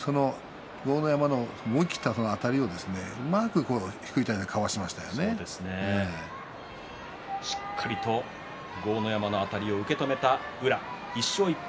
宇良は低い体勢でその豪ノ山の思い切ったあたりをしっかりと豪ノ山のあたりを受け止めた宇良１勝１敗。